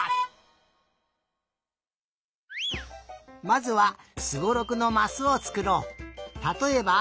まずはすごろくのマスをつくろう。